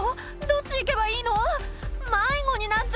どっち行けばいいの？